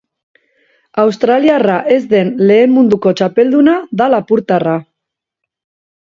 Australiarra ez den lehen munduko txapelduna da lapurtarra.